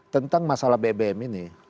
tentang masalah bbm ini